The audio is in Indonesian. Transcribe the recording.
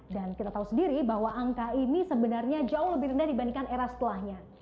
dan kita tahu sendiri bahwa angka ini sebenarnya jauh lebih rendah dibandingkan era setelahnya